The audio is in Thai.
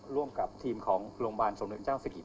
ร่วมกับทีมของโรงพยาบาลสมเด็จพระนางเจ้าสิริกิต